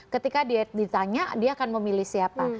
ketika dia ditanya dia akan memilih siapa